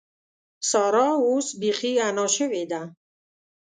سارا اوس بېخي انا شوې ده.